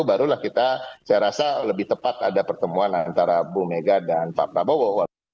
barulah kita saya rasa lebih tepat ada pertemuan antara bu mega dan pak prabowo